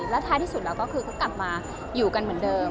แล้วท้ายที่สุดแล้วก็คือเขากลับมาอยู่กันเหมือนเดิม